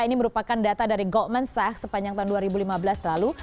ini merupakan data dari goldman sach sepanjang tahun dua ribu lima belas lalu